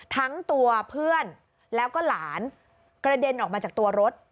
ทั้งตัวเพื่อนแล้วก็หลานกระเด็นออกมาจากตัวรถ